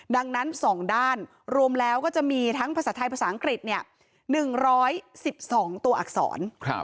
ดังนั้น๒ด้านรวมแล้วก็จะมีทั้งภาษาไทยภาษาอังกฤษ๑๑๒ตัวอักษร